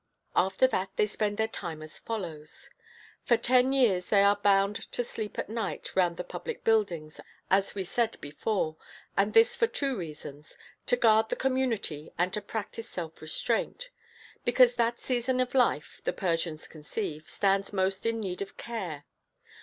After that they spend their time as follows. For ten years they are bound to sleep at night round the public buildings, as we said before, and this for two reasons, to guard the community and to practise self restraint; because that season of life, the Persians conceive, stands most in need of care.